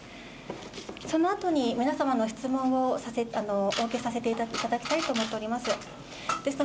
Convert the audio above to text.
そのあとに皆様の質問をお受けさせていただきたいと思っております。